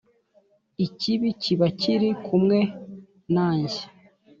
Ikibi kiba kiri kumwe nanjye